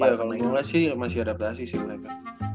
iya kalau gua sih masih adaptasi sih mereka